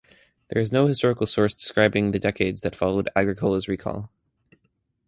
There is no historical source describing the decades that followed Agricola's recall.